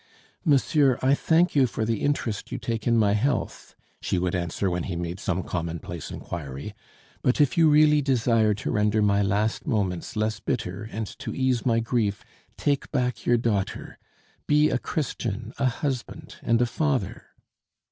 "Monsieur, I thank you for the interest you take in my health," she would answer when he made some commonplace inquiry; "but if you really desire to render my last moments less bitter and to ease my grief, take back your daughter: be a Christian, a husband, and a father."